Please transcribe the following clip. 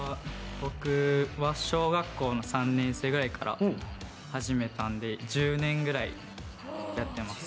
僕は小学校の３年生ぐらいから始めたんで、１０年ぐらいやってます。